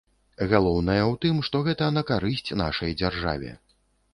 Галоўнае ў тым, што гэта на карысць нашай дзяржаве.